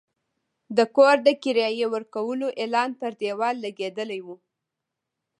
د کور د کرایې ورکولو اعلان پر دېوال لګېدلی و.